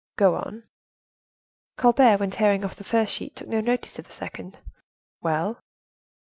"Go on." "Colbert, when tearing off the first sheet, took no notice of the second." "Well?"